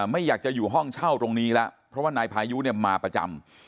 ไม่อยากจะอยู่ห้องเช่าตรงนี้แล้วเพราะว่านายพายุเนี่ยมาประจำ